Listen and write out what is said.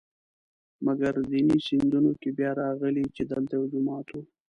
مګر دیني سندونو کې بیا راغلي چې دلته یو جومات و.